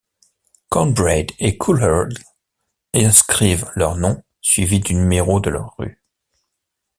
Cornbread et Cool Earl inscrivent leur nom suivi du numéro de leur rue.